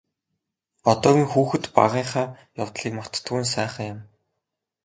Одоогийн хүүхэд багынхаа явдлыг мартдаггүй нь сайхан юм.